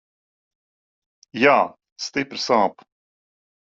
Jā, stipri sāp.